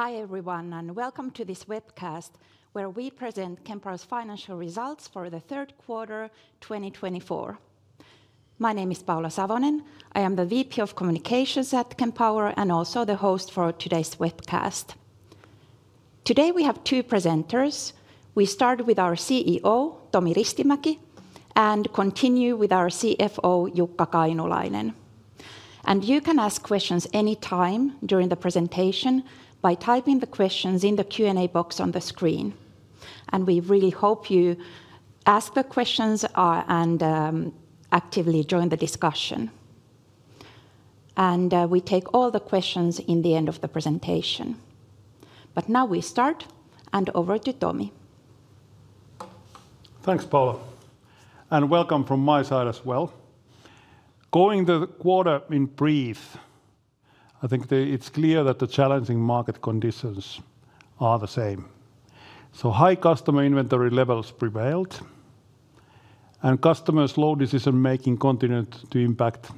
Hi, everyone, and welcome to this webcast where we present Kempower financial results for the third quarter 2024. My name is Paula Savonen. I am the VP of Communications at Kempower and also the host for today's webcast. Today we have two presenters. We start with our CEO, Tomi Ristimäki, and continue with our CFO, Jukka Kainulainen, and you can ask questions anytime during the presentation by typing the questions in the Q&A box on the screen, and we really hope you ask the questions and actively join the discussion, and we take all the questions in the end of the presentation, but now we start and over to Tomi. Thanks, Paula. Welcome from my side as well. Going over the quarter in brief, I think it's clear that the challenging market conditions are the same, so high customer inventory levels prevailed, and customers' slow decision-making continued to impact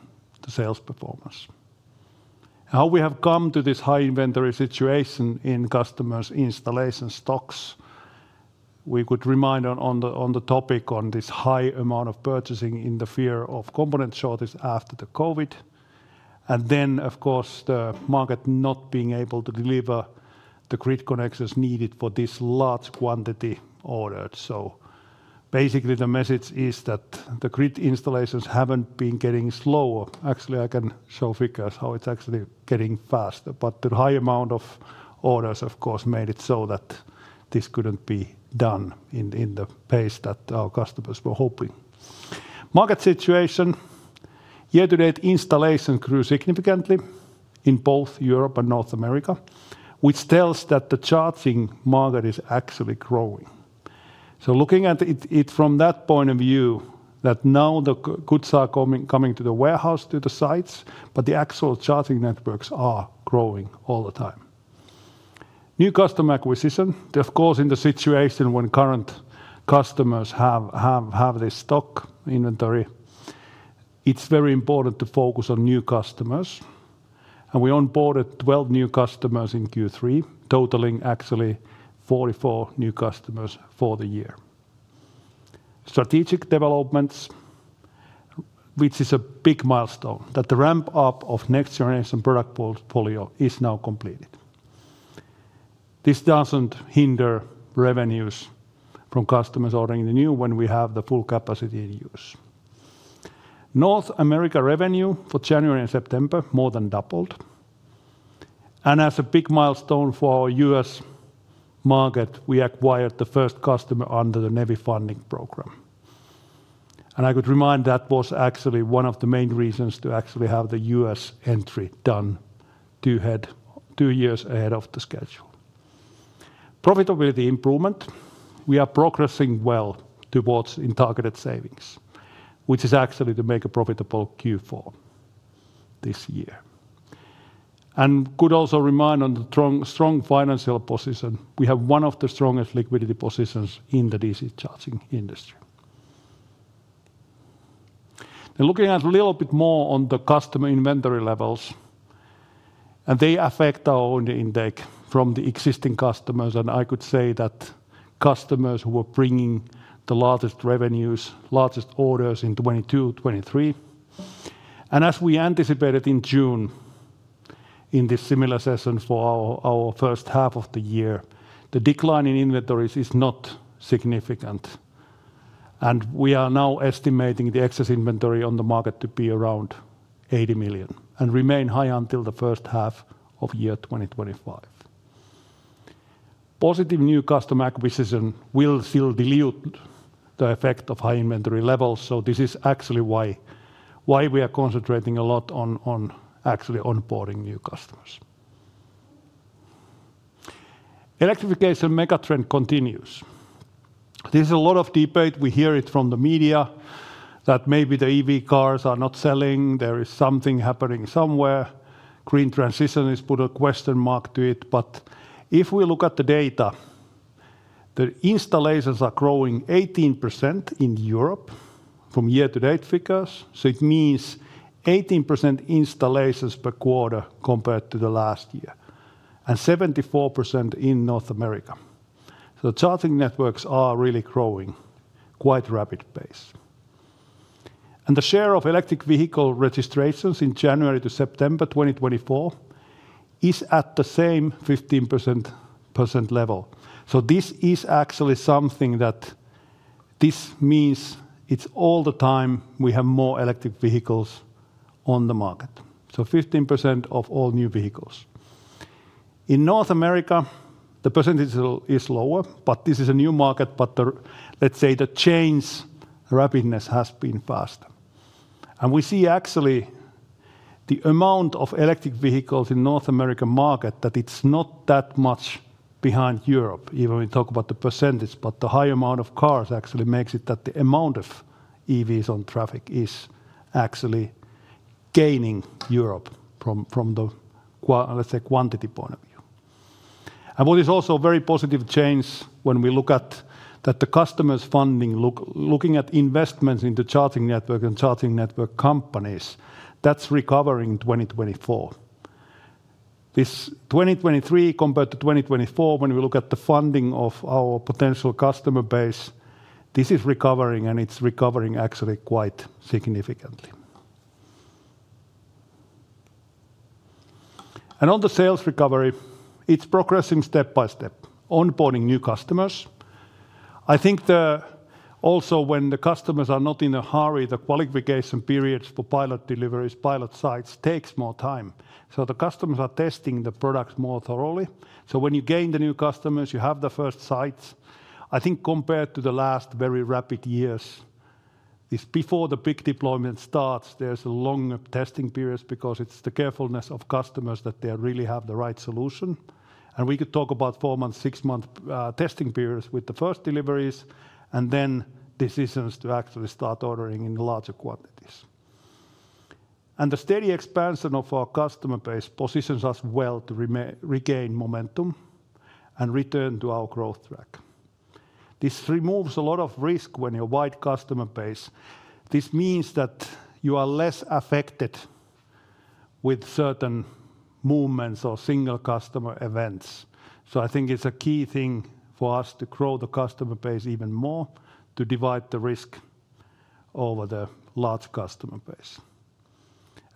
the sales performance. How we have come to this high inventory situation in customers' installation stocks, we could remind on the topic of this high amount of purchasing in fear of component shortage after the COVID, and then, of course, the market not being able to deliver the grid connections needed for this large quantity ordered, so basically the message is that the grid installations haven't been getting slower. Actually, I can show figures how it's actually getting faster, but the high amount of orders, of course, made it so that this couldn't be done at the pace that our customers were hoping. Market situation. Year-to-date installation grew significantly in both Europe and North America, which tells that the charging market is actually growing. So looking at it from that point of view, that now the goods are coming to the warehouse, to the sites, but the actual charging networks are growing all the time. New customer acquisition. Of course, in the situation when current customers have this stock inventory, it's very important to focus on new customers. And we onboarded 12 new customers in Q3, totaling actually 44 new customers for the year. Strategic developments, which is a big milestone, that the ramp-up of next-generation product portfolio is now completed. This doesn't hinder revenues from customers ordering the new when we have the full capacity in use. North America revenue for January and September more than doubled. And as a big milestone for our U.S. market, we acquired the first customer under the NEVI funding program. And I could remind that was actually one of the main reasons to actually have the U.S. entry done two years ahead of the schedule. Profitability improvement, we are progressing well towards in targeted savings, which is actually to make a profitable Q4 this year. And could also remind on the strong financial position, we have one of the strongest liquidity positions in the DC charging industry. Now looking at a little bit more on the customer inventory levels, and they affect our own intake from the existing customers. And I could say that customers who were bringing the largest revenues, largest orders in 2022-2023. And as we anticipated in June, in this similar session for our first half of the year, the decline in inventories is not significant. We are now estimating the excess inventory on the market to be around 80 million and remain high until the first half of year 2025. Positive new customer acquisition will still dilute the effect of high inventory levels. So this is actually why we are concentrating a lot on actually onboarding new customers. Electrification mega trend continues. This is a lot of debate. We hear it from the media that maybe the EV cars are not selling. There is something happening somewhere. Green transition has put a question mark to it. But if we look at the data, the installations are growing 18% in Europe from year-to-date figures. So it means 18% installations per quarter compared to the last year and 74% in North America. So the charging networks are really growing quite rapid pace. The share of electric vehicle registrations in January to September 2024 is at the same 15% level. This is actually something that this means it's all the time we have more electric vehicles on the market. 15% of all new vehicles. In North America, the percentage is lower, but this is a new market. Let's say the change rapidness has been faster. We see actually the amount of electric vehicles in North America market that it's not that much behind Europe, even when we talk about the percentage. The high amount of cars actually makes it that the amount of EVs on traffic is actually gaining Europe from the, let's say, quantity point of view. What is also a very positive change when we look at the customers' funding, looking at investments into charging network and charging network companies. That's recovering in 2024. This 2023 compared to 2024, when we look at the funding of our potential customer base, this is recovering and it's recovering actually quite significantly. On the sales recovery, it's progressing step by step, onboarding new customers. I think also when the customers are not in a hurry, the qualification periods for pilot deliveries, pilot sites takes more time. So the customers are testing the products more thoroughly. So when you gain the new customers, you have the first sites. I think compared to the last very rapid years, before the big deployment starts, there's a longer testing period because it's the carefulness of customers that they really have the right solution. We could talk about four-month, six-month testing periods with the first deliveries and then decisions to actually start ordering in larger quantities. The steady expansion of our customer base positions us well to regain momentum and return to our growth track. This removes a lot of risk when you have a wide customer base. This means that you are less affected with certain movements or single customer events. So I think it's a key thing for us to grow the customer base even more to divide the risk over the large customer base.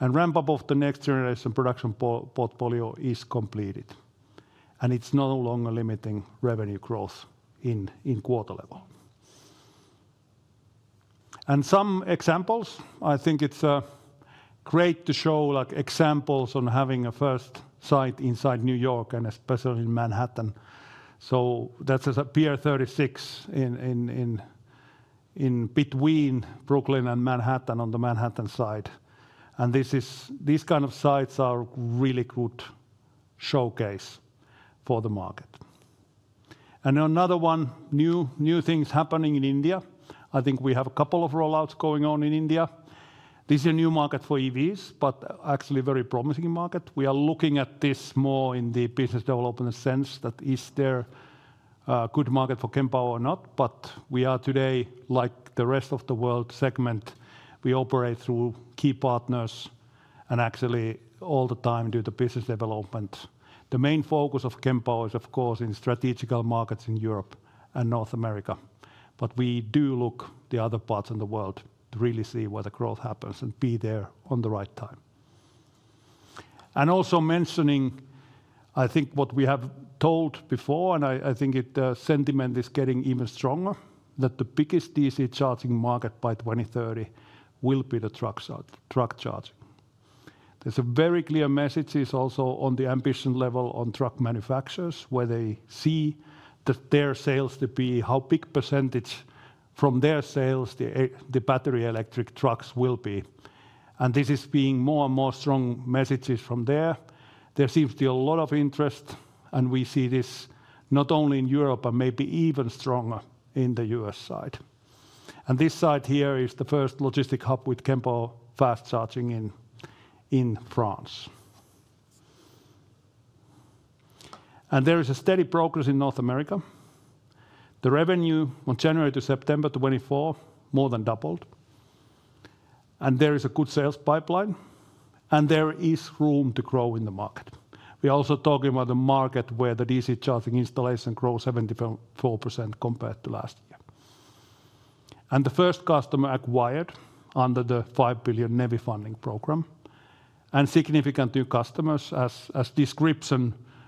Ramp-up of the next generation production portfolio is completed. It's no longer limiting revenue growth in quarter level. Some examples. I think it's great to show examples on having a first site inside New York and especially in Manhattan. That's a Pier 36 in between Brooklyn and Manhattan on the Manhattan side. These kind of sites are really good showcase for the market. Another one, new things happening in India. I think we have a couple of rollouts going on in India. This is a new market for EVs, but actually a very promising market. We are looking at this more in the business development sense that is there a good market for Kempower or not. But we are today, like the rest of the world segment, we operate through key partners and actually all the time do the business development. The main focus of Kempower is, of course, in strategic markets in Europe and North America. But we do look at the other parts of the world to really see where the growth happens and be there on the right time. And also mentioning, I think what we have told before, and I think the sentiment is getting even stronger, that the biggest DC charging market by 2030 will be the truck charging. There's a very clear message also on the ambition level on truck manufacturers where they see that their sales to be how big percentage from their sales, the battery electric trucks will be. And this is being more and more strong messages from there. There seems to be a lot of interest, and we see this not only in Europe, but maybe even stronger in the U.S. side. And this side here is the first logistics hub with Kempower fast charging in France. And there is a steady progress in North America. The revenue from January to September 2024 more than doubled. And there is a good sales pipeline. And there is room to grow in the market. We are also talking about the market where the DC charging installation grows 74% compared to last year. We acquired the first customer under the $5 billion NEVI funding program. We have significant new customers. As described,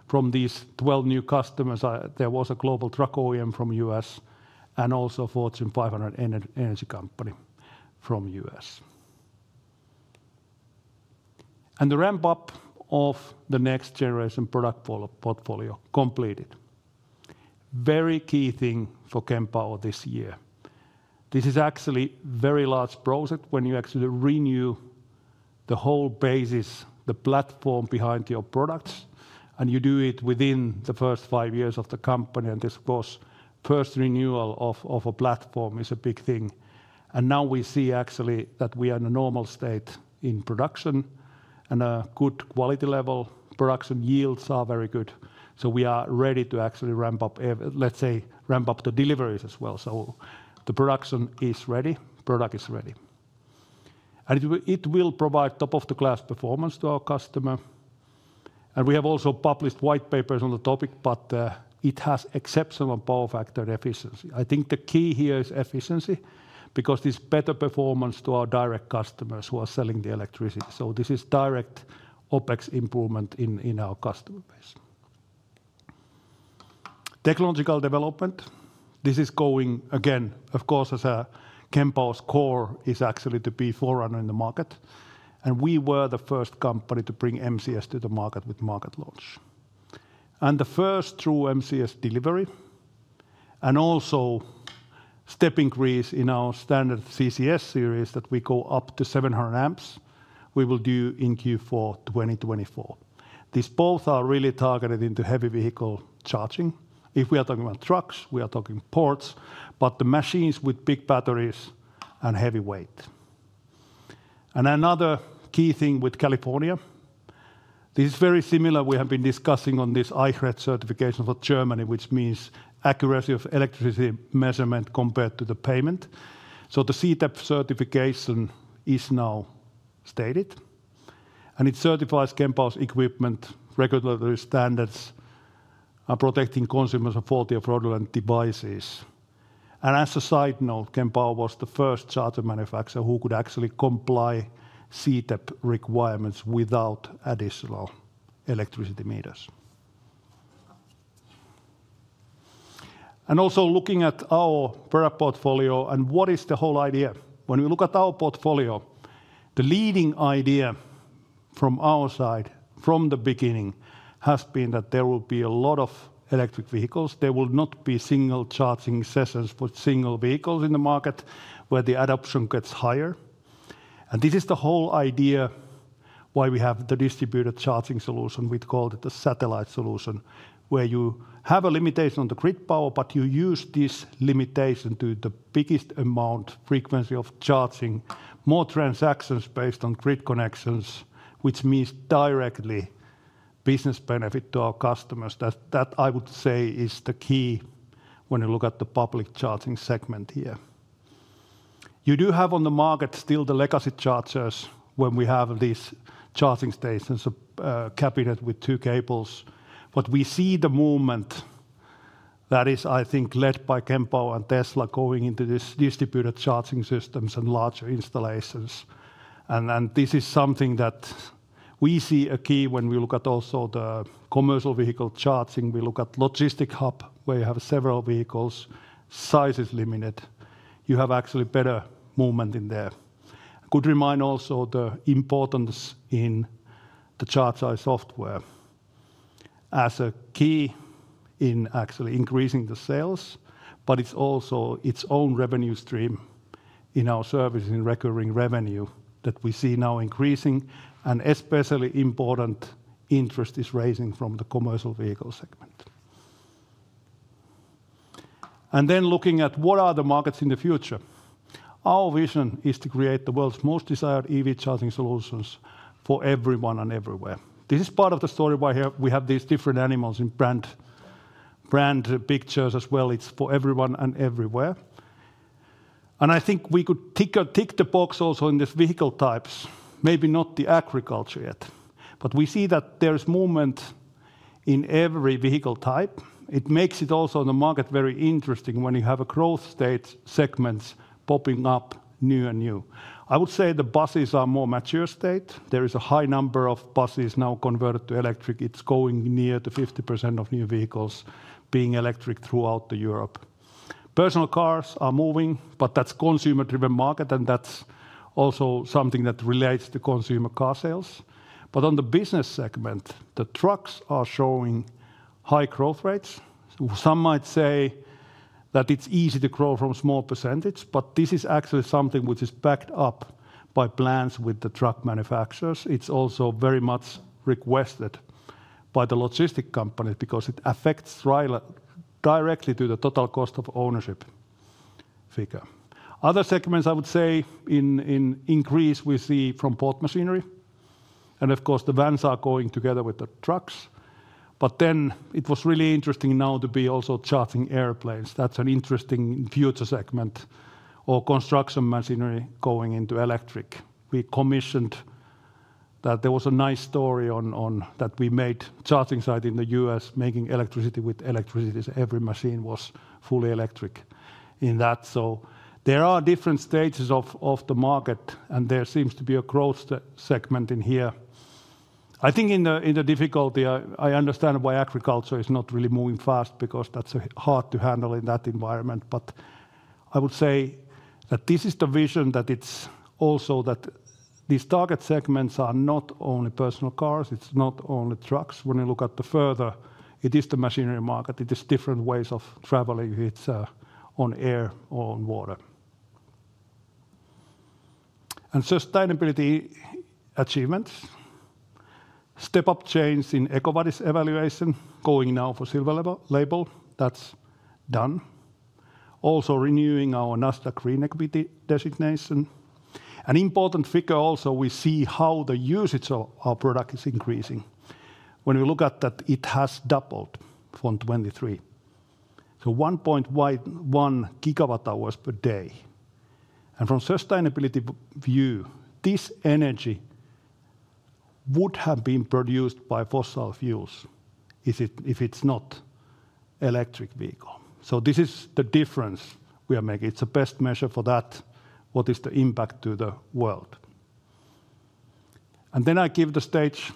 from these 12 new customers, there was a global truck OEM from the U.S. and also a Fortune 500 energy company from the U.S. We completed the ramp-up of the next generation product portfolio. This is a very key thing for Kempower this year. This is actually a very large project when you actually renew the whole basis, the platform behind your products, and you do it within the first five years of the company. Of course, the first renewal of a platform is a big thing. Now we see actually that we are in a normal state in production and a good quality level. Production yields are very good. So we are ready to actually ramp up, let's say, ramp up the deliveries as well. So the production is ready, product is ready. And it will provide top-of-the-class performance to our customer. And we have also published white papers on the topic, but it has exceptional power factor and efficiency. I think the key here is efficiency because this is better performance to our direct customers who are selling the electricity. So this is direct OpEx improvement in our customer base. Technological development. This is going again, of course, as a Kempower's core is actually to be forerunner in the market. And we were the first company to bring MCS to the market with market launch. And the first true MCS delivery and also step increase in our standard CCS series that we go up to 700 amps, we will do in Q4 2024. These both are really targeted into heavy vehicle charging. If we are talking about trucks, we are talking ports, but the machines with big batteries and heavy weight. And another key thing with California, this is very similar. We have been discussing on this Eichrecht certification for Germany, which means accuracy of electricity measurement compared to the payment. So the CTEP certification is now stated. And it certifies Kempower's equipment regulatory standards and protecting consumers of faulty off-board devices. And as a side note, Kempower was the first charger manufacturer who could actually comply CTEP requirements without additional electricity meters. And also looking at our product portfolio and what is the whole idea. When we look at our portfolio, the leading idea from our side from the beginning has been that there will be a lot of electric vehicles. There will not be single charging sessions for single vehicles in the market where the adoption gets higher, and this is the whole idea why we have the distributed charging solution. We called it a satellite solution where you have a limitation on the grid power, but you use this limitation to the biggest amount frequency of charging, more transactions based on grid connections, which means directly business benefit to our customers. That I would say is the key when you look at the public charging segment here. You do have on the market still the legacy chargers when we have these charging stations cabinet with two cables, but we see the movement that is, I think, led by Kempower and Tesla going into these distributed charging systems and larger installations, and this is something that we see a key when we look at also the commercial vehicle charging. We look at logistics hub where you have several vehicles, size is limited. You have actually better movement in there. Could remind also the importance in the charging software as a key in actually increasing the sales, but it's also its own revenue stream in our services in recurring revenue that we see now increasing. And especially important interest is rising from the commercial vehicle segment. And then looking at what are the markets in the future. Our vision is to create the world's most desired EV charging solutions for everyone and everywhere. This is part of the story why we have these different animals in brand pictures as well. It's for everyone and everywhere. And I think we could tick the box also in these vehicle types. Maybe not the agriculture yet, but we see that there's movement in every vehicle type. It makes it also in the market very interesting when you have growth-stage segments popping up newer and newer. I would say the buses are in a more mature stage. There is a high number of buses now converted to electric. It's going near to 50% of new vehicles being electric throughout Europe. Personal cars are moving, but that's a consumer-driven market and that's also something that relates to consumer car sales. But on the business segment, the trucks are showing high growth rates. Some might say that it's easy to grow from a small percentage, but this is actually something which is backed up by plans with the truck manufacturers. It's also very much requested by the logistic companies because it affects directly the total cost of ownership figure. Other segments, I would say, in increase we see from port machinery. Of course the vans are going together with the trucks. It was really interesting now to be also charging airplanes. That's an interesting future segment or construction machinery going into electric. We commissioned that. There was a nice story on that we made charging site in the U.S. making electricity with electricity. Every machine was fully electric in that. There are different stages of the market and there seems to be a growth segment in here. I think in the difficulty, I understand why agriculture is not really moving fast because that's hard to handle in that environment. I would say that this is the vision that it's also that these target segments are not only personal cars, it's not only trucks. When you look at the further, it is the machinery market. It is different ways of traveling. It's on air or on water. Sustainability achievements. Step up in EcoVadis evaluation going now for silver label. That's done. Also renewing our Nasdaq Green Equity Designation. An important figure also we see how the usage of our product is increasing. When we look at that, it has doubled from 23. So 1.1 GWh per day. And from sustainability view, this energy would have been produced by fossil fuels if it's not electric vehicle. So this is the difference we are making. It's the best measure for that. What is the impact to the world? And then I give the stage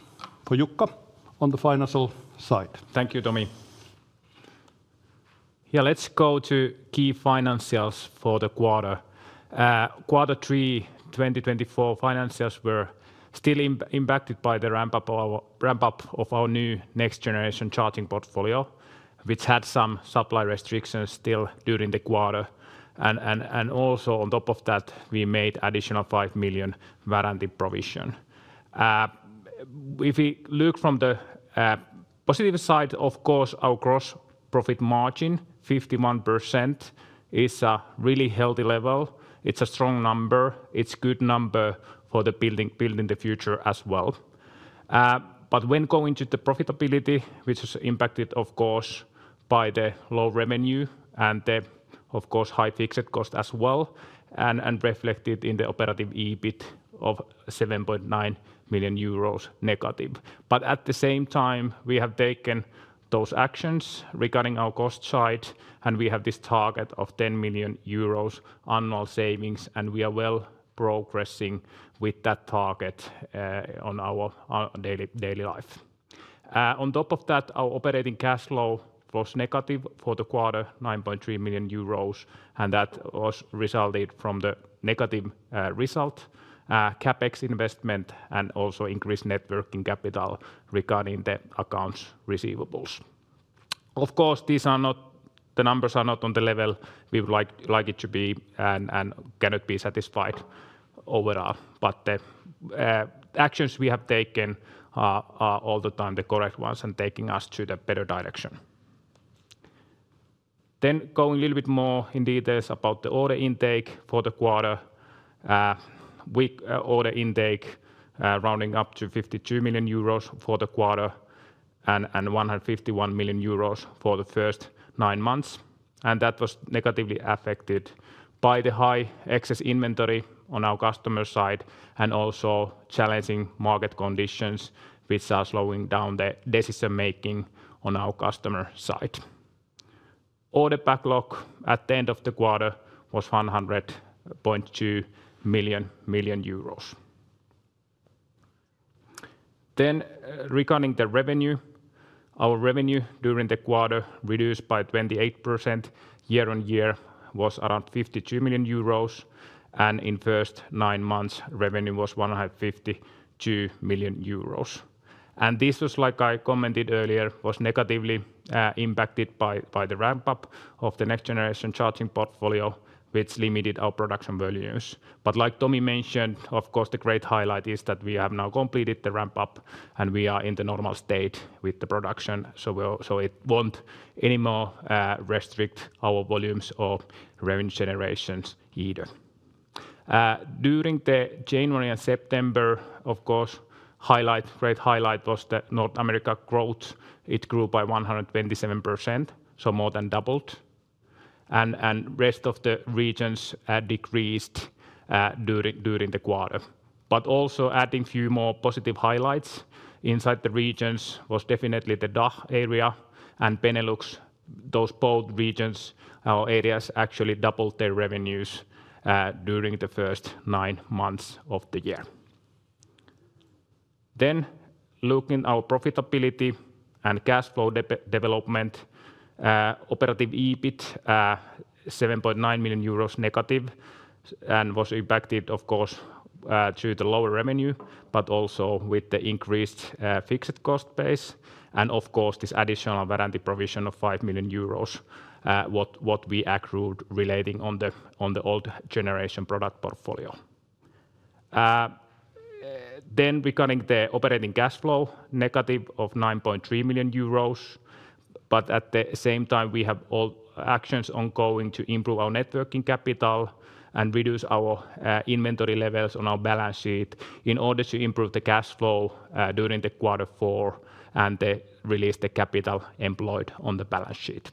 for Jukka on the financial side. Thank you, Tomi. Yeah, let's go to key financials for the quarter. Quarter 3, 2024 financials were still impacted by the ramp-up of our new next-generation charging portfolio, which had some supply restrictions still during the quarter. Also on top of that, we made additional 5 million warranty provision. If we look from the positive side, of course, our gross profit margin, 51%, is a really healthy level. It's a strong number. It's a good number for the building in the future as well. But when going to the profitability, which is impacted, of course, by the low revenue and the, of course, high fixed cost as well, and reflected in the operative EBIT of 7.9 million euros negative. But at the same time, we have taken those actions regarding our cost side, and we have this target of 10 million euros annual savings, and we are well progressing with that target on our daily life. On top of that, our operating cash flow was negative for the quarter, 9.3 million euros, and that was resulted from the negative result, CapEx investment, and also increased working capital regarding the accounts receivable. Of course, these are not the numbers on the level we would like it to be and cannot be satisfied overall. But the actions we have taken are all the time the correct ones and taking us to the better direction. Then going a little bit more in detail about the order intake for the quarter, our order intake rounding up to 52 million euros for the quarter and 151 million euros for the first nine months. And that was negatively affected by the high excess inventory on our customer side and also challenging market conditions, which are slowing down the decision making on our customer side. Order backlog at the end of the quarter was 100.2 million. Then regarding the revenue, our revenue during the quarter reduced by 28% year on year was around 52 million euros, and in first nine months, revenue was 152 million euros. And this was, like I commented earlier, was negatively impacted by the ramp-up of the next generation charging portfolio, which limited our production volumes. But like Tomi mentioned, of course, the great highlight is that we have now completed the ramp-up and we are in the normal state with the production. So it won't anymore restrict our volumes or revenue generations either. During the January and September, of course, highlight, great highlight was the North America growth. It grew by 127%, so more than doubled. And rest of the regions decreased during the quarter. But also adding a few more positive highlights inside the regions was definitely the DACH area and Benelux. Those both regions, our areas actually doubled their revenues during the first nine months of the year. Then looking at our profitability and cash flow development, operating EBIT, 7.9 million euros negative and was impacted, of course, through the lower revenue, but also with the increased fixed cost base. And of course, this additional warranty provision of 5 million euros, what we accrued relating to the old generation product portfolio. Then regarding the operating cash flow, negative of 9.3 million euros. But at the same time, we have all actions ongoing to improve our net working capital and reduce our inventory levels on our balance sheet in order to improve the cash flow during quarter four and release the capital employed on the balance sheet.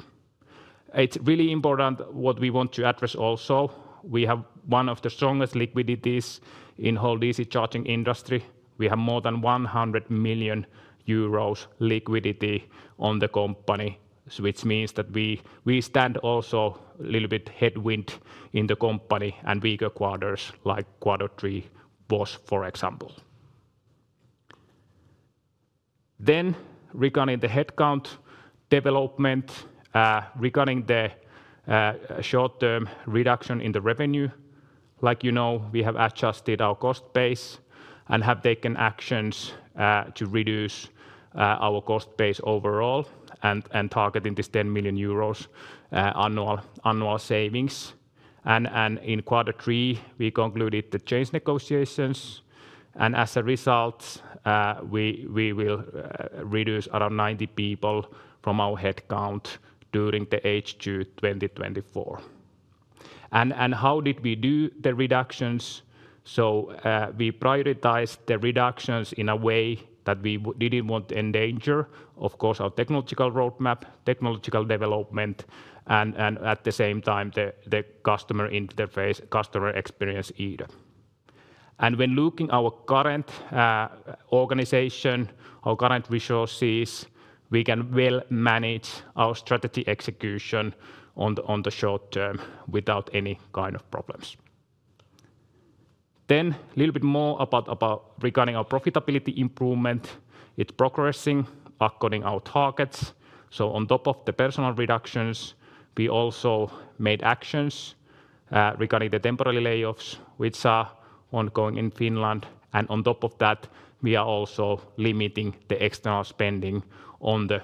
It's really important what we want to address also. We have one of the strongest liquidities in the whole DC charging industry. We have more than 100 million euros liquidity in the company, which means that we stand also a little bit headwind in the company and weaker quarters like quarter three was, for example, then regarding the headcount development, regarding the short-term reduction in the revenue, like you know, we have adjusted our cost base and have taken actions to reduce our cost base overall and targeting this 10 million euros annual savings, and in quarter three, we concluded the change negotiations. And as a result, we will reduce around 90 people from our headcount during the H2 2024. And how did we do the reductions? So we prioritized the reductions in a way that we didn't want to endanger, of course, our technological roadmap, technological development, and at the same time the customer interface, customer experience either. And when looking at our current organization, our current resources, we can well manage our strategy execution on the short term without any kind of problems. Then a little bit more about regarding our profitability improvement. It's progressing according to our targets. So on top of the personnel reductions, we also made actions regarding the temporary layoffs, which are ongoing in Finland. And on top of that, we are also limiting the external spending on the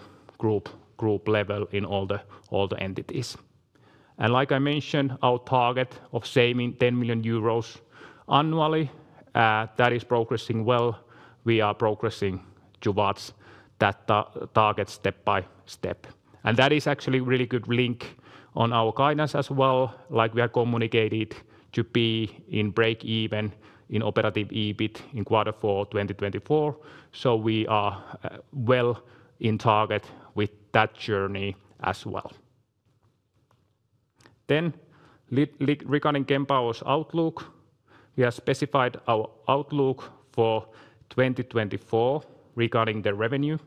group level in all the entities. And like I mentioned, our target of saving 10 million euros annually, that is progressing well. We are progressing towards that target step by step. That is actually a really good link on our guidance as well. Like we are communicated to be in break even in operative EBIT in quarter four 2024. We are well in target with that journey as well. Regarding Kempower's outlook, we have specified our outlook for 2024 regarding the revenue.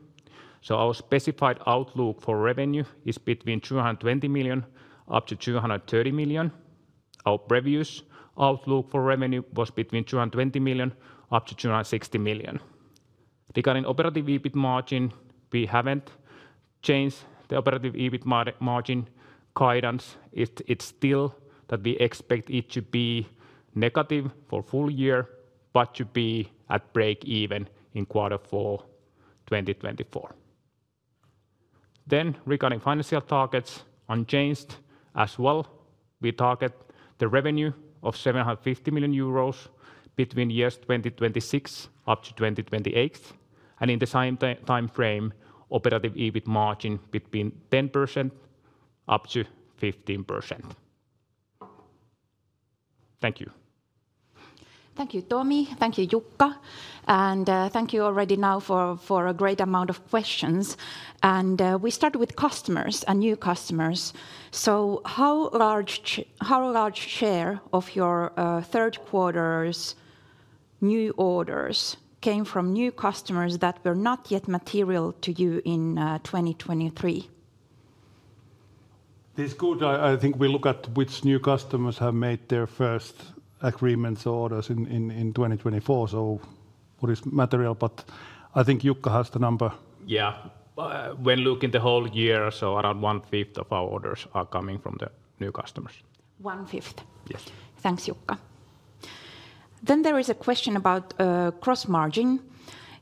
Our specified outlook for revenue is between 220 million-230 million. Our previous outlook for revenue was between 220 million-260 million. Regarding operative EBIT margin, we haven't changed the operative EBIT margin guidance. It's still that we expect it to be negative for full year, but to be at break even in quarter four 2024. Regarding financial targets unchanged as well, we target the revenue of 750 million euros between years 2026 up to 2028. In the same timeframe, operative EBIT margin between 10%-15%. Thank you. Thank you, Tomi. Thank you, Jukka. And thank you already now for a great amount of questions. And we start with customers and new customers. So how large share of your third quarter's new orders came from new customers that were not yet material to you in 2023? This is good. I think we look at which new customers have made their first agreements or orders in 2024. So what is material, but I think Jukka has the number. Yeah. When looking the whole year, so around one fifth of our orders are coming from the new customers. One fifth. Yes. Thanks, Jukka. Then there is a question about gross margin.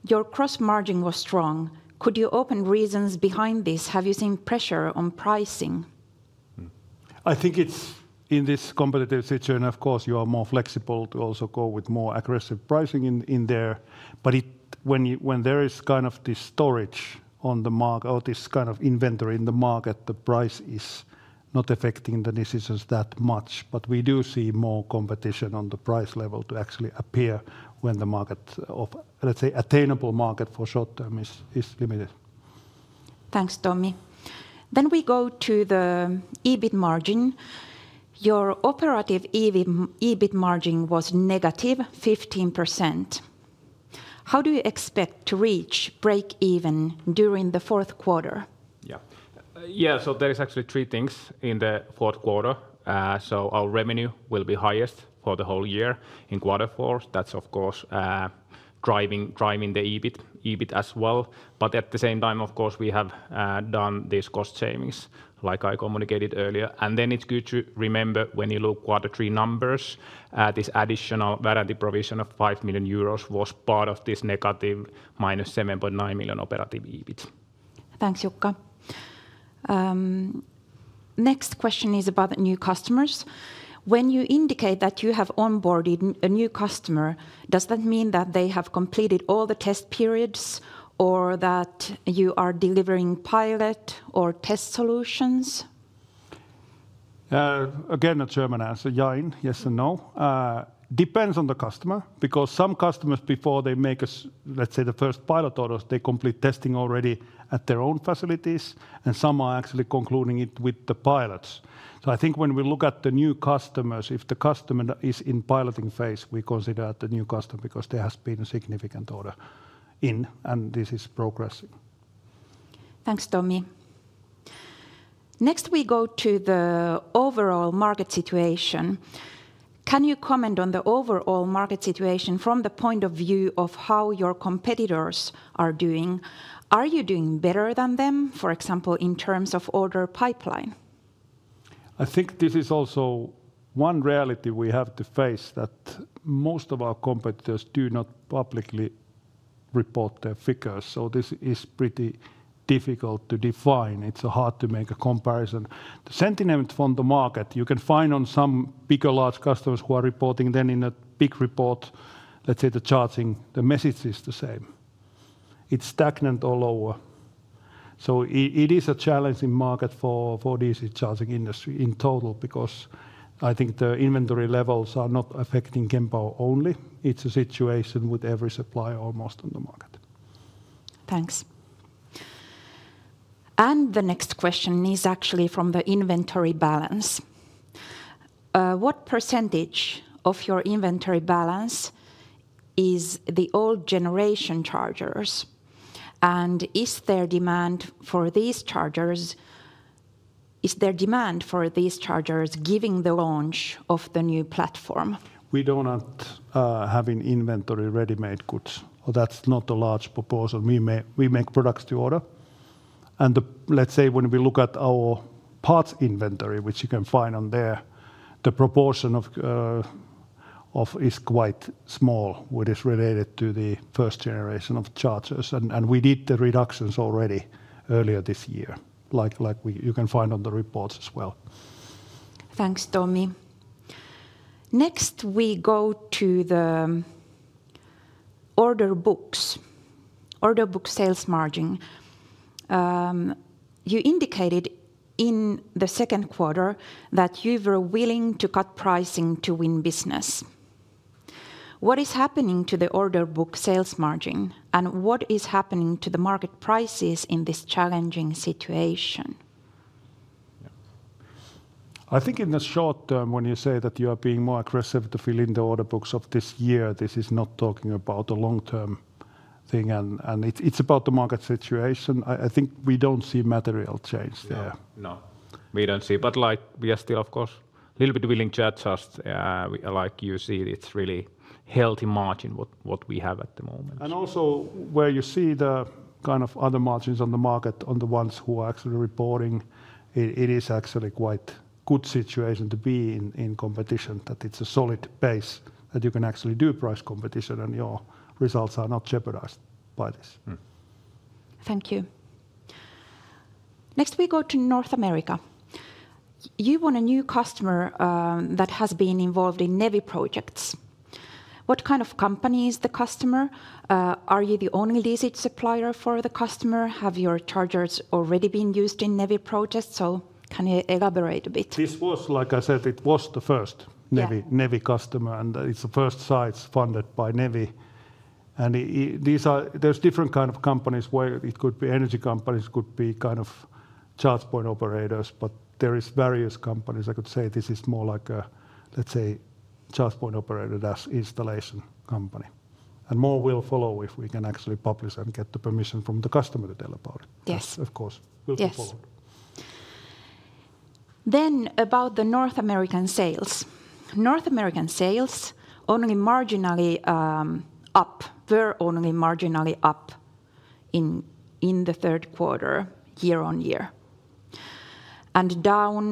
Your gross margin was strong. Could you open reasons behind this? Have you seen pressure on pricing? I think it's in this competitive situation, of course, you are more flexible to also go with more aggressive pricing in there, but when there is kind of this storage on the market, or this kind of inventory in the market, the price is not affecting the decisions that much, but we do see more competition on the price level to actually appear when the market of, let's say, attainable market for short term is limited. Thanks, Tomi, then we go to the EBIT margin. Your operative EBIT margin was -15%. How do you expect to reach break even during the fourth quarter? Yeah, so there is actually three things in the fourth quarter, so our revenue will be highest for the whole year in quarter four. That's, of course, driving the EBIT as well. But at the same time, of course, we have done these cost savings, like I communicated earlier. And then it's good to remember when you look at the three numbers, this additional warranty provision of 5 million euros was part of this negative -7.9 million operating EBIT. Thanks, Jukka. Next question is about new customers. When you indicate that you have onboarded a new customer, does that mean that they have completed all the test periods or that you are delivering pilot or test solutions? Again, a German answer, Jukka, yes and no. Depends on the customer because some customers, before they make us, let's say, the first pilot orders, they complete testing already at their own facilities, and some are actually concluding it with the pilots. So, I think when we look at the new customers, if the customer is in piloting phase, we consider the new customer because there has been a significant order in, and this is progressing. Thanks, Tomi. Next, we go to the overall market situation. Can you comment on the overall market situation from the point of view of how your competitors are doing? Are you doing better than them, for example, in terms of order pipeline? I think this is also one reality we have to face that most of our competitors do not publicly report their figures. So this is pretty difficult to define. It's hard to make a comparison. The sentiment from the market, you can find on some bigger large customers who are reporting then in a big report. Let's say the charging, the message is the same. It's stagnant or lower. It is a challenging market for DC charging industry in total because I think the inventory levels are not affecting Kempower only. It's a situation with every supplier almost on the market. Thanks. The next question is actually from the inventory balance. What percentage of your inventory balance is the old generation chargers? And is there demand for these chargers? Is there demand for these chargers giving the launch of the new platform? We do not have inventory ready-made goods. That's not a large portion. We make products to order. Let's say when we look at our parts inventory, which you can find on there, the proportion of is quite small with this related to the first generation of chargers. We did the reductions already earlier this year, like you can find on the reports as well. Thanks, Tomi. Next, we go to the order books, order book sales margin. You indicated in the second quarter that you were willing to cut pricing to win business. What is happening to the order book sales margin and what is happening to the market prices in this challenging situation? I think in the short term, when you say that you are being more aggressive to fill in the order books of this year, this is not talking about a long-term thing, and it's about the market situation. I think we don't see material change there. No, we don't see, but we are still, of course, a little bit willing to adjust. Like you see, it's really healthy margin what we have at the moment. Also, where you see the kind of other margins on the market, on the ones who are actually reporting, it is actually quite a good situation to be in competition, that it's a solid base that you can actually do price competition and your results are not jeopardized by this. Thank you. Next, we go to North America. You won a new customer that has been involved in NEVI projects. What kind of company is the customer? Are you the only DC supplier for the customer? Have your chargers already been used in NEVI projects? Can you elaborate a bit? This was, like I said, it was the first NEVI customer and it's the first site funded by NEVI. There's different kinds of companies where it could be energy companies, could be kind of charge point operators, but there are various companies. I could say this is more like a, let's say, charge point operator, that's installation company. And more will follow if we can actually publish and get the permission from the customer to tell about it. Yes. Of course, will be followed. Then about the North American sales. North American sales only marginally up. Were only marginally up in the third quarter year-on-year. And down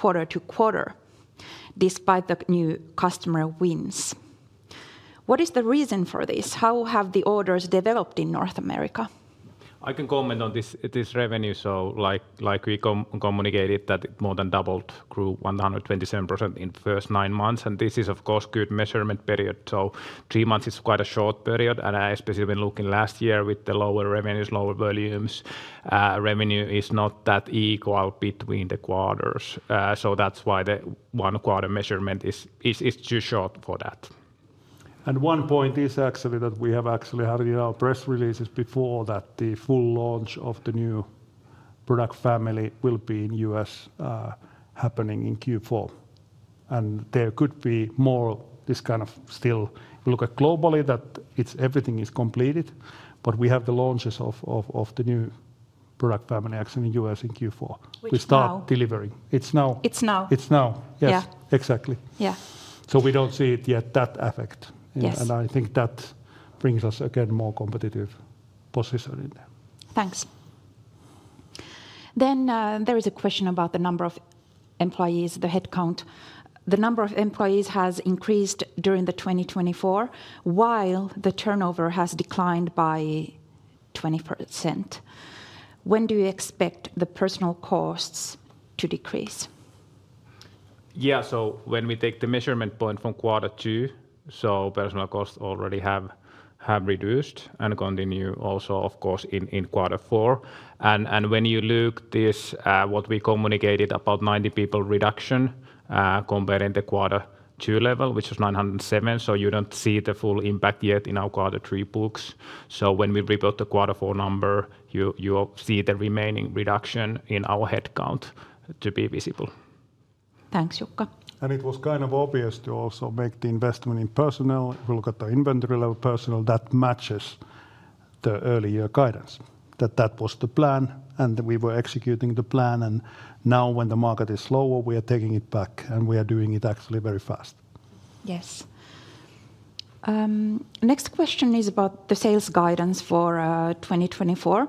quarter-to-quarter despite the new customer wins. What is the reason for this? How have the orders developed in North America? I can comment on this revenue. So like we communicated that it more than doubled, grew 127% in the first nine months. And this is, of course, a good measurement period. So three months is quite a short period. And I especially been looking last year with the lower revenues, lower volumes. Revenue is not that equal between the quarters. So that's why the one quarter measurement is too short for that. And one point is actually that we have actually had in our press releases before that the full launch of the new product family will be in the U.S. happening in Q4. And there could be more this kind of still look at globally that everything is completed, but we have the launches of the new product family actually in the U.S. in Q4. We start delivering. It's now. Yes. Exactly. Yeah. So we don't see it yet that affect. And I think that brings us again more competitive position in there. Thanks. Then there is a question about the number of employees, the headcount. The number of employees has increased during 2024 while the turnover has declined by 20%. When do you expect the personal costs to decrease? Yeah, so when we take the measurement point from quarter two, so personal costs already have reduced and continue also, of course, in quarter four. And when you look at this, what we communicated about 90 people reduction comparing the quarter two level, which is 907. So you don't see the full impact yet in our quarter three books. So when we report the quarter four number, you see the remaining reduction in our headcount to be visible. Thanks, Jukka. And it was kind of obvious to also make the investment in personnel. If we look at the inventory level personnel, that matches the earlier guidance. That was the plan and we were executing the plan. And now when the market is slower, we are taking it back and we are doing it actually very fast. Yes. Next question is about the sales guidance for 2024.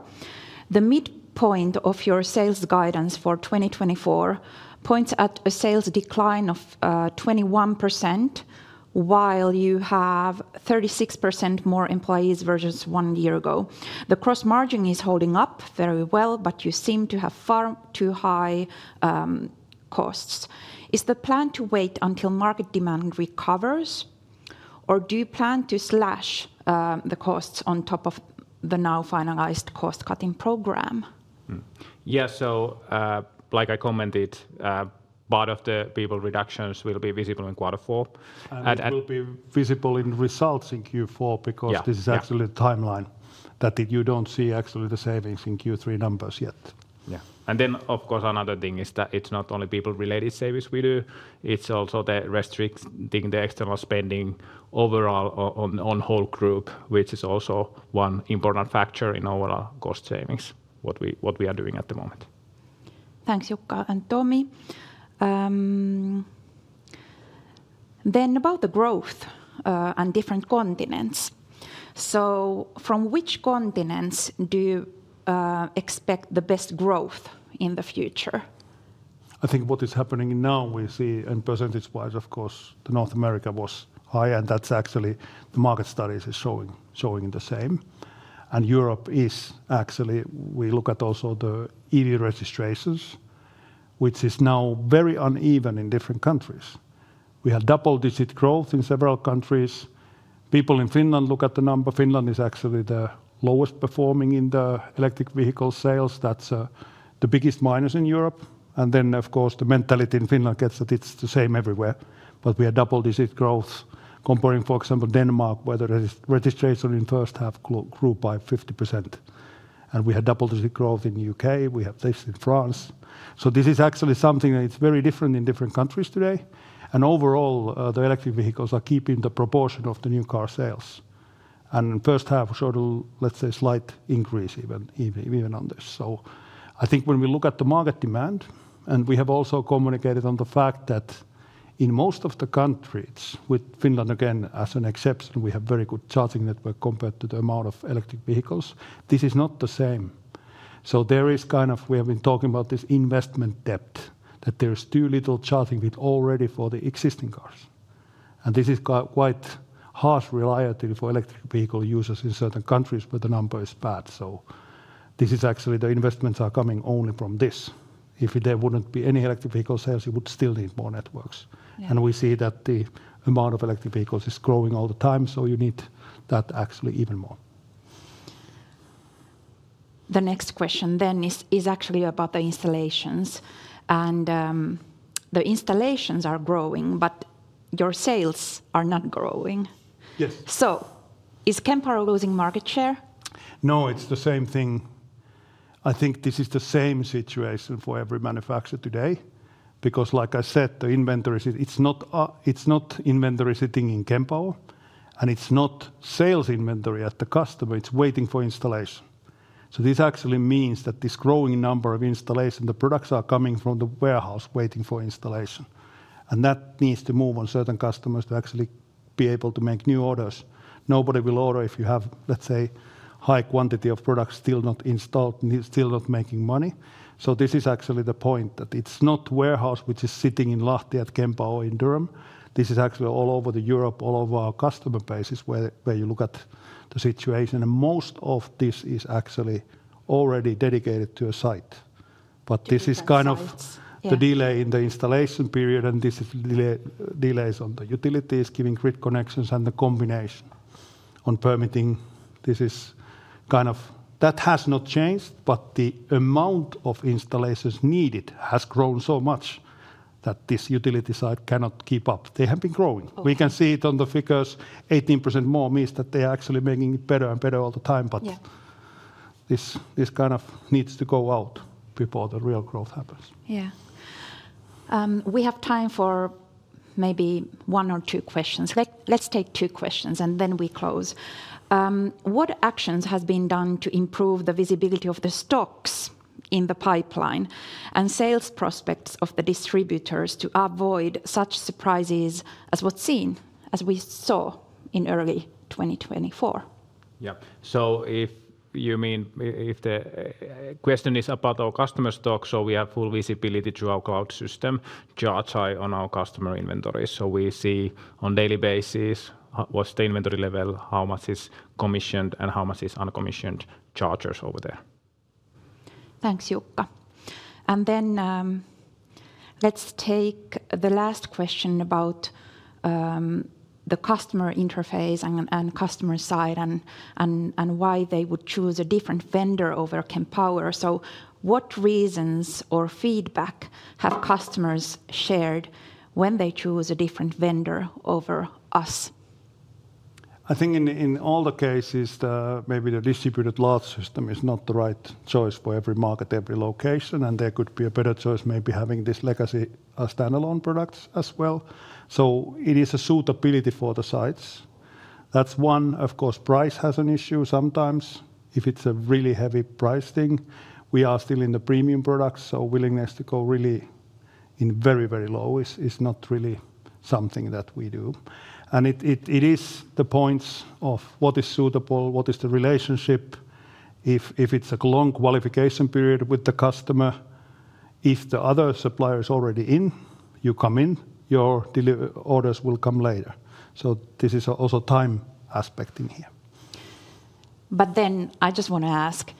The midpoint of your sales guidance for 2024 points at a sales decline of 21% while you have 36% more employees versus one year ago. The gross margin is holding up very well, but you seem to have far too high costs. Is the plan to wait until market demand recovers or do you plan to slash the costs on top of the now finalized cost cutting program? Yeah, so like I commented, part of the people reductions will be visible in quarter four. And it will be visible in results in Q4 because this is actually the timeline that you don't see actually the savings in Q3 numbers yet. Yeah. And then, of course, another thing is that it's not only people-related savings we do. It's also restricting the external spending overall on the whole group, which is also one important factor in our cost savings, what we are doing at the moment. Thanks, Jukka and Tomi. Then, about the growth on different continents. So, from which continents do you expect the best growth in the future? I think what is happening now, we see and percentage-wise, of course, North America was high and that's actually the market studies is showing the same. Europe is actually, we look at also the EV registrations, which is now very uneven in different countries. We have double-digit growth in several countries. People in Finland look at the number. Finland is actually the lowest performing in the electric vehicle sales. That's the biggest minus in Europe. Then, of course, the mentality in Finland gets that it's the same everywhere. But we have double-digit growth comparing, for example, Denmark, where the registration in first half grew by 50%. And we have double-digit growth in the U.K. We have this in France. So this is actually something that is very different in different countries today. And overall, the electric vehicles are keeping the proportion of the new car sales. And first half showed a, let's say, slight increase even on this. So I think when we look at the market demand, and we have also communicated on the fact that in most of the countries, with Finland again as an exception, we have very good charging network compared to the amount of electric vehicles. This is not the same. So there is kind of, we have been talking about this investment depth that there is too little charging with already for the existing cars. And this is quite harsh reality for electric vehicle users in certain countries, but the number is bad. So this is actually the investments are coming only from this. If there wouldn't be any electric vehicle sales, you would still need more networks. And we see that the amount of electric vehicles is growing all the time. So you need that actually even more. The next question then is actually about the installations. And the installations are growing, but your sales are not growing. Yes. So is Kempower losing market share? No, it's the same thing. I think this is the same situation for every manufacturer today. Because like I said, the inventory, it's not inventory sitting in Kempower. And it's not sales inventory at the customer. It's waiting for installation. So this actually means that this growing number of installation, the products are coming from the warehouse waiting for installation. And that needs to move on certain customers to actually be able to make new orders. Nobody will order if you have, let's say, high quantity of products still not installed, still not making money. So this is actually the point that it's not warehouse which is sitting in Lahti at Kempower in Durham. This is actually all over Europe, all over our customer bases where you look at the situation. And most of this is actually already dedicated to a site. But this is kind of the delay in the installation period and this is delays on the utilities giving grid connections and the combination on permitting. This is kind of, that has not changed, but the amount of installations needed has grown so much that this utility site cannot keep up. They have been growing. We can see it on the figures. 18% more means that they are actually making it better and better all the time. But this kind of needs to go out before the real growth happens. Yeah. We have time for maybe one or two questions. Let's take two questions and then we close. What actions have been done to improve the visibility of the stocks in the pipeline and sales prospects of the distributors to avoid such surprises as we've seen, as we saw in early 2024? Yeah. So if you mean, if the question is about our customer stock, so we have full visibility to our cloud system, ChargEye on our customer inventory. So we see on daily basis what's the inventory level, how much is commissioned and how much is uncommissioned chargers over there. Thanks, Jukka. And then let's take the last question about the customer interface and customer side and why they would choose a different vendor over Kempower. So what reasons or feedback have customers shared when they choose a different vendor over us? I think in all the cases, maybe the distributed load system is not the right choice for every market, every location. And there could be a better choice maybe having this legacy standalone products as well. So it is a suitability for the sites. That's one, of course, price has an issue sometimes. If it's a really heavy pricing, we are still in the premium products. So willingness to go really in very, very low is not really something that we do. It is the points of what is suitable, what is the relationship. If it's a long qualification period with the customer, if the other supplier is already in, you come in, your orders will come later. This is also time aspect in here. Then I just want to ask,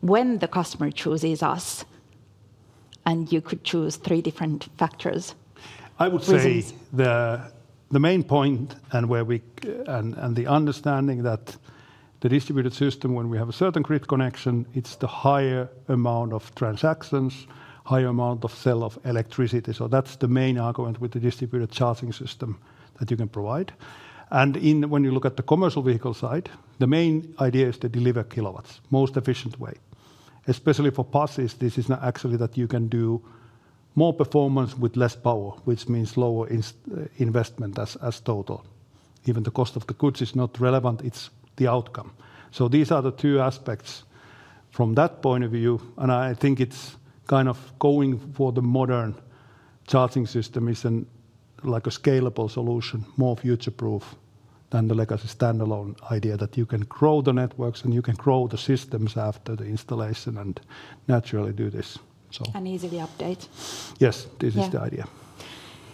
when the customer chooses us and you could choose three different factors. I would say the main point and where we and the understanding that the distributed system, when we have a certain grid connection, it's the higher amount of transactions, higher amount of sale of electricity. That's the main argument with the distributed charging system that you can provide. When you look at the commercial vehicle side, the main idea is to deliver kilowatts, most efficient way. Especially for passes, this is actually that you can do more performance with less power, which means lower investment as total. Even the cost of the goods is not relevant. It's the outcome. So these are the two aspects from that point of view. And I think it's kind of going for the modern charging system is like a scalable solution, more future-proof than the legacy standalone idea that you can grow the networks and you can grow the systems after the installation and naturally do this. And easily update. Yes, this is the idea.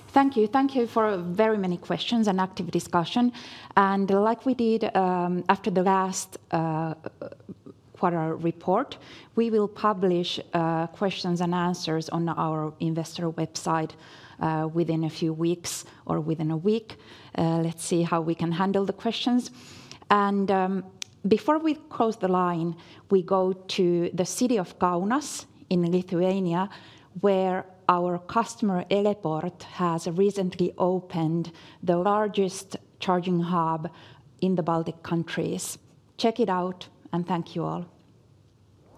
Thank you. Thank you for very many questions and active discussion. And like we did after the last quarter report, we will publish questions and answers on our investor website within a few weeks or within a week. Let's see how we can handle the questions. Before we close the line, we go to the city of Kaunas in Lithuania, where our customer Eleport has recently opened the largest charging hub in the Baltic countries. Check it out and thank you all.